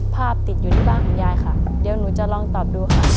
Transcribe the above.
ติดอยู่ที่บ้านของยายค่ะเดี๋ยวหนูจะลองตอบดูค่ะ